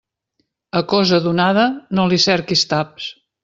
A cosa donada no li cerquis taps.